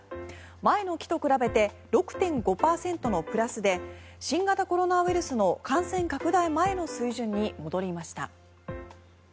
前の期と比べて６．５％のプラスで新型コロナウイルスの感染拡大前の水準に戻りました。